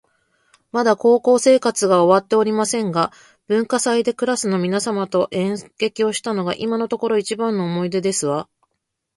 まだ高校生活が終わっておりませんが、文化祭でクラスの皆様と演劇をしたのが今のところ一番の思い出ですわ